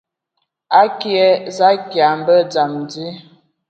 Akie za kia mbə dzam adi.